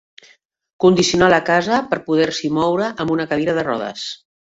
Condicionar la casa per poder-s'hi moure amb una cadira de rodes.